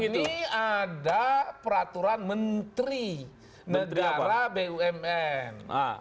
ini ada peraturan menteri negara bumn